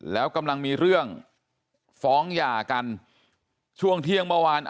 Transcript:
แล้วกำลังมีเรื่องฟ้องหย่ากันช่วงเที่ยงเมื่อวาน